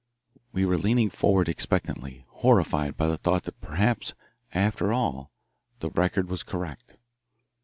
We were leaning forward expectantly, horrified by the thought that perhaps, after all, the Record was correct.